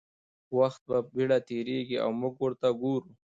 وخت په بېړه تېرېږي او موږ ورته ګورو.